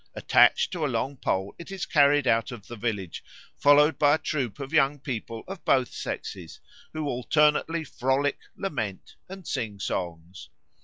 Attached to a long pole it is carried out of the village, followed by a troop of young people of both sexes, who alternately frolic, lament, and sing songs.